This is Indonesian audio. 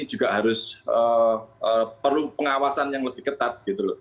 juga harus perlu pengawasan yang lebih ketat